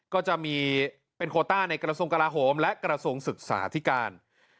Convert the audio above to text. ก็จะมีเป็นโคต้าในกระทรวงกลาโหมและกระทรวงศึกษาธิการ